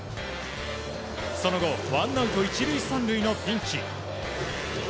その後ワンアウト１塁３塁のピンチ。